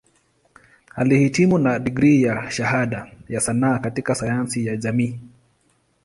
Alihitimu na digrii ya Shahada ya Sanaa katika Sayansi ya Jamii.